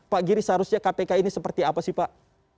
pak giri seharusnya kpk ini seperti apa sih pak